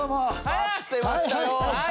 待ってましたよ！